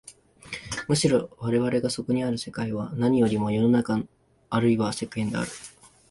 むしろ我々がそこにある世界は何よりも世の中あるいは世間である。